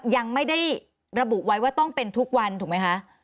ยังไม่ได้ระบุไว้ว่าต้องเป็นทุกวันถูกไหมคะ